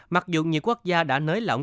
mặc dù nhiều quốc gia đã nới lỏng